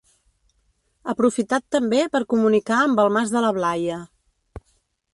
Aprofitat també per comunicar amb el Mas de la Blaia.